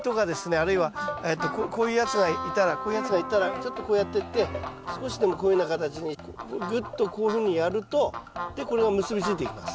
あるいはこういうやつがいたらこういうやつがいたらちょっとこうやってって少しでもこういうふうな形にぐっとこういうふうにやるとでこれを結び付いていきます。